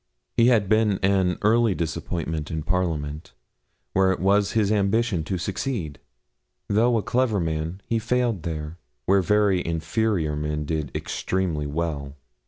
He had been early disappointed in Parliament, where it was his ambition to succeed. Though a clever man, he failed there, where very inferior men did extremely well.